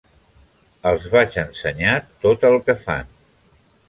Els vaig ensenyar tot el que fan.